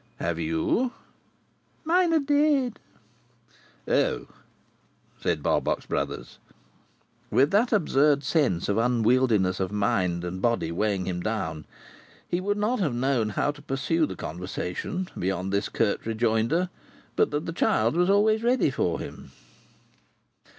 Have you?" "Mine are dead." "Oh!" said Barbox Brothers. With that absurd sense of unwieldiness of mind and body weighing him down, he would have not known how to pursue the conversation beyond this curt rejoinder, but that the child was always ready for him.